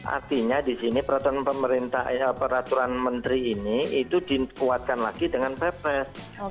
artinya di sini peraturan menteri ini itu dikuatkan lagi dengan perpres